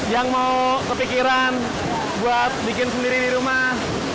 yang mau kepikiran buat bikin sendiri di rumah